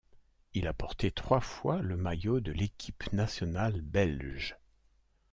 Il a porté trois fois le maillot de l'équipe nationale belge.